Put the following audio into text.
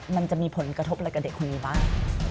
มันจะมีผลกระทบอะไรกับเด็กคนนี้บ้าง